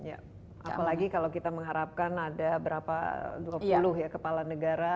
apalagi kalau kita mengharapkan ada berapa dua puluh ya kepala negara